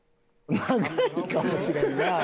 長いかもしれんなあ。